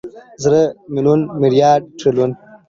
زره، ميليونه، ميليارده، تريليونه